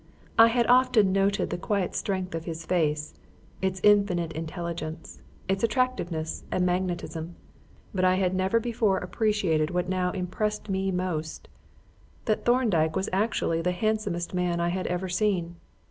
I had often noted the quiet strength of his face, its infinite intelligence, its attractiveness and magnetism; but I had never before appreciated what now impressed me most: that Thorndyke was actually the handsomest man I had ever seen.